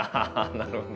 なるほど。